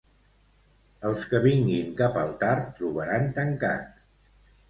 Els que vinguin cap al tard trobaran tancat